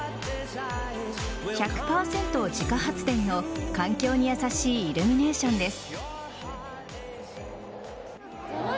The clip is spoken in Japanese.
１００％自家発電の環境に優しいイルミネーションです。